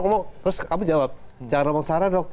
kamu jawab jangan ngomong sarah dong